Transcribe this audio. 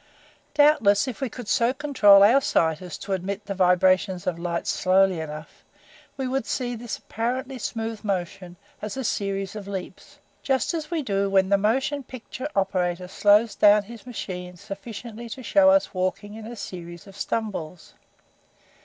"Doubtless if we could so control our sight as to admit the vibrations of light slowly enough we would see this apparently smooth motion as a series of leaps just as we do when the motion picture operator slows down his machine sufficiently to show us walking in a series of stumbles.